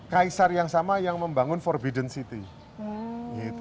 kaisar yang sama yang membangun forbidden city